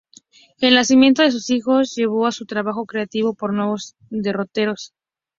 El nacimiento de sus hijos llevó su trabajo creativo por nuevos derroteros.